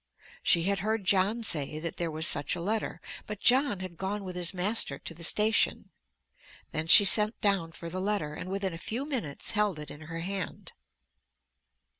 She had heard John say that there was such a letter. But John had gone with his master to the station. Then she sent down for the letter, and within a few minutes held it in her hand.